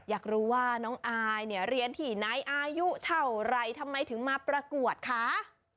อยากรู้ว่าน้องอายเนี่ยเรียนที่ไหนอายุเท่าไหร่ทำไมถึงมาประกวดคะ